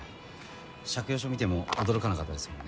借用書見ても驚かなかったですもんね。